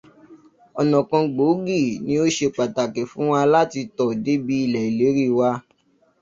Ọ̀nà kan gbòógi ni ó ṣe pàtàkì fún wa láti tọ̀ débi ìlérí wa.